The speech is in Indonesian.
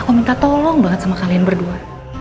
aku minta tolong banget sama kalian berdua